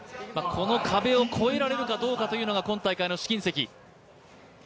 この壁を超えられるかどうかというのが今大会の試金石。